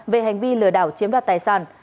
về hành vi lừa đảo chiếm đoạt tài sản